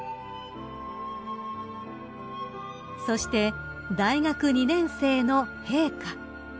［そして大学２年生の陛下］